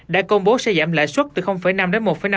đã công bố sẽ giảm lãi suất từ năm đến một năm mỗi năm